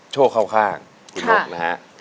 โชคข้างคุณนกนะฮะ